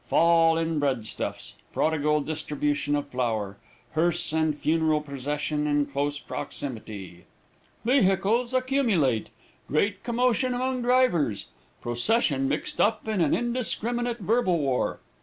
Fall in breadstuffs. Prodigal distribution of flour. Hearse and funeral procession in close proximity. "Vehicles accumulate. Great commotion among drivers. Procession mixed up in an indiscriminate verbal war.